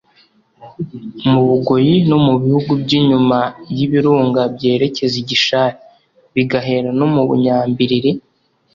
mu bugoyi no mu bihugu by’inyuma y’ibirunga byerekeza igishari. bigahera no mu bunyambilili,